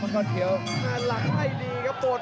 มันกำเท่าที่เขาซ้ายมันกำเท่าที่เขาซ้าย